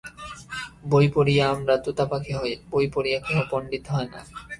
বই পড়িয়া আমরা তোতাপাখি হই, বই পড়িয়া কেহ পণ্ডিত হয় না।